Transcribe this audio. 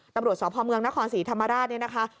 ตำรวจสพเมืองนครศรีธรรมราชเนี่ยนะคะ